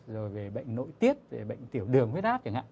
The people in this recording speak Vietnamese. rồi về bệnh nội tiết về bệnh tiểu đường huyết ác chẳng hạn